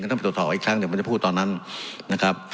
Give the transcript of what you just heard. ต้องไปตรวจสอบอีกครั้งเดี๋ยวมันจะพูดตอนนั้นนะครับ